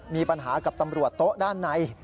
มีปัญหากับตำรวจโต๊ะด้านใน